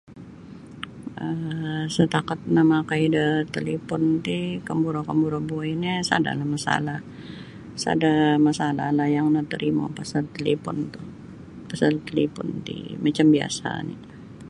um Setakat namakai da talipun ti kamburo-kamburo buai no sada la masaala sada masaala lah yang natarimo pasal talipun tu pasal talipun ti macam biasa ni.